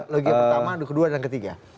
logika pertama adu kedua dan ketiga